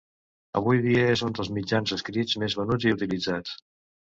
Avui dia és un dels mitjans escrits més venuts i utilitzats.